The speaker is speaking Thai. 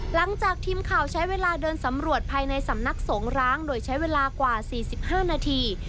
หลังจากทีมข่าวใช้เวลาเดินสำรวจภายในสำนักสงร้างโดยใช้เวลากว่า๔๕นาที